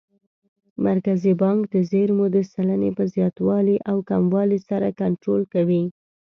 مرکزي بانک د زېرمو د سلنې په زیاتوالي او کموالي سره کنټرول کوي.